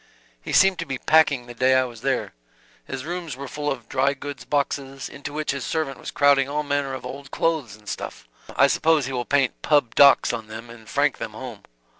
"He seemed to be packing the day I was there. His rooms were full of dry goods boxes, into which his servant was crowding all manner of old clothes and stuff: I suppose he will paint 'Pub. Docs' on them and frank them home.